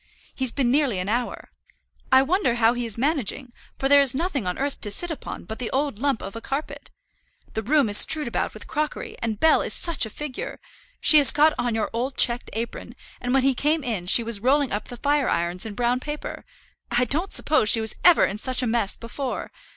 He's been nearly an hour. I wonder how he is managing, for there is nothing on earth to sit upon but the old lump of a carpet. The room is strewed about with crockery, and Bell is such a figure! She has got on your old checked apron, and when he came in she was rolling up the fire irons in brown paper. I don't suppose she was ever in such a mess before.